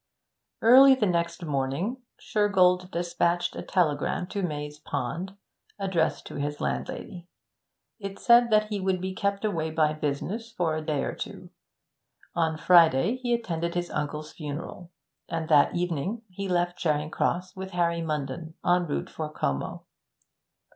Early the next morning Shergold despatched a telegram to Maze Pond, addressed to his landlady. It said that he would be kept away by business for a day or two. On Friday he attended his uncle's funeral, and that evening he left Charing Cross with Harvey Munden, en route for Como.